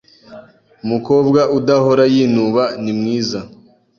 Umukobwa udahora yinuba nimwiza